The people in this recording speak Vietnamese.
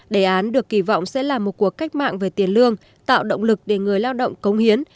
đề án được kỳ vọng sẽ là một cuộc cách mạng về tiền lương tạo động lực để người lao động công hiến